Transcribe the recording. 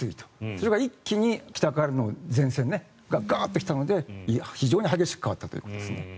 それが一気に北からの前線が一気に来たので非常に激しく変わったということですね。